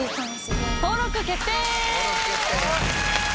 登録決定！